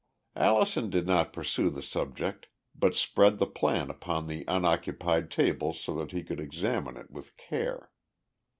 Allison did not pursue the subject but spread the plan upon an unoccupied table so that he could examine it with care.